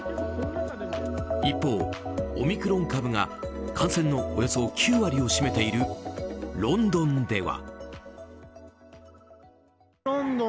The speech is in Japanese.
一方、オミクロン株が感染のおよそ９割を占めているロンドンでは。